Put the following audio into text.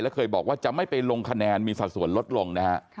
และเคยบอกว่าจะไม่ไปลงคะแนนมีสัดส่วนลดลงนะฮะ